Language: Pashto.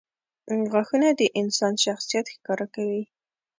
• غاښونه د انسان شخصیت ښکاره کوي.